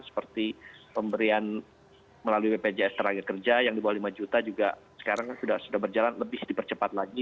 seperti pemberian melalui bpjs tenaga kerja yang di bawah lima juta juga sekarang sudah berjalan lebih dipercepat lagi